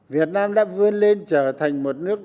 việt nam đã vươn lên trở thành một nước